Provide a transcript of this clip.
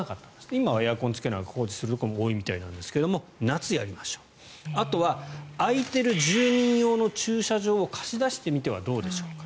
今、エアコンをつけずに工事するところも多いと思いますがあとは空いてる住民用の駐車場を貸し出してみてはどうでしょうか。